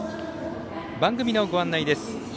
番組のご案内です。